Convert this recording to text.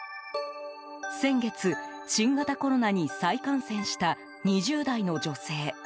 先月、新型コロナに再感染した２０代の女性。